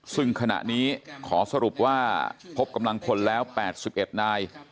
ซึ่งขณะนี้ขอสรุปว่าพบกำลังพลแล้ว๘๑นาย